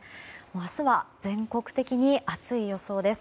明日は全国的に暑い予想です。